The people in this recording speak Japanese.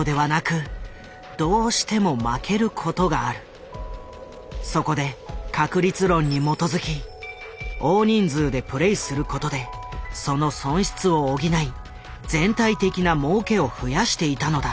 実はそこで確率論に基づき大人数でプレイすることでその損失を補い全体的なもうけを増やしていたのだ。